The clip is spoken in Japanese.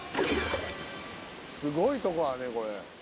すごいとこやねこれ。